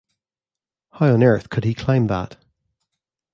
How on earth could he climb that?